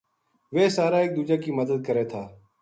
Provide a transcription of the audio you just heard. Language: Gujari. ویہ سارا ایک دُوجا کی مدد کرے تھا